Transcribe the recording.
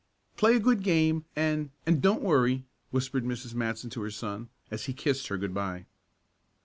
"Play a good game and and don't worry," whispered Mrs. Matson to her son as he kissed her good bye.